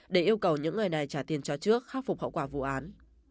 để yêu cầu những người này trả tiền cho trước khắc phục hậu quả vụ án